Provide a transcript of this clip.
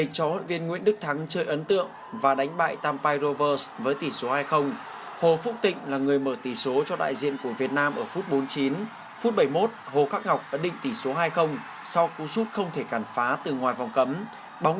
xin chào và hẹn gặp lại trong các video tiếp theo